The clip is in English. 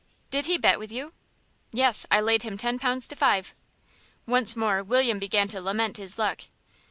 "Did he bet with you?" "Yes, I laid him ten pounds to five." Once more William began to lament his luck.